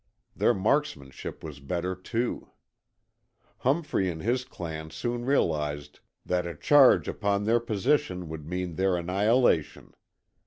Their marksmanship was better, too. Humphrey and his clan soon realized that a charge upon their position would mean their annihilation.